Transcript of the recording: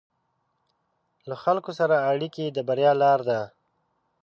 له خلکو سره ښه اړیکې د بریا لاره ده.